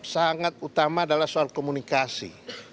sangat utama adalah soal komunikasi